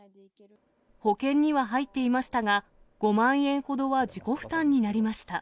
保険には入っていましたが、５万円ほどは自己負担になりました。